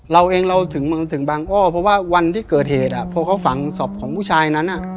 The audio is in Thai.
เราเองเราถึงเมืองถึงบางอ้อเพราะว่าวันที่เกิดเหตุพอเขาฝังศพของผู้ชายนั้น